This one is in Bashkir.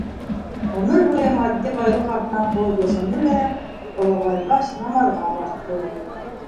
Ғүмер буйы матди байлыҡ артынан ҡыуып йәшәне лә, олоғайғас, намаҙға баҫты.